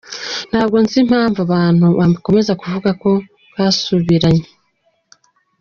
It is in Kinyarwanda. Ntabwo nzi impamvu abantu bakomeza kuvuga ko twasubiranye.